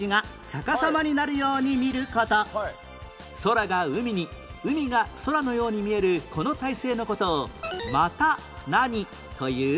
空が海に海が空のように見えるこの体勢の事を股何という？